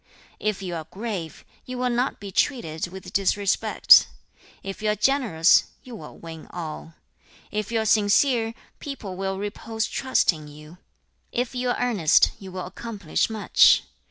If you are grave, you will not be treated with disrespect. If you are generous, you will win all. If you are sincere, people will repose trust in you. If you are earnest, you will accomplish much.